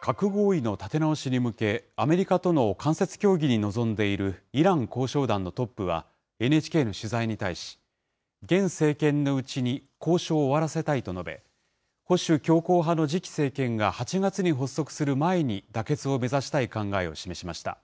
核合意の立て直しに向け、アメリカとの間接協議に臨んでいるイラン交渉団のトップは、ＮＨＫの取材に対し、現政権のうちに交渉を終わらせたいと述べ、保守強硬派の次期政権が８月に発足する前に妥結を目指したい考えを示しました。